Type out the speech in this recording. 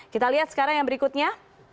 kita lihat sekarang yang berikutnya